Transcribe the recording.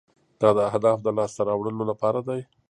دا د اهدافو د لاسته راوړلو لپاره دی.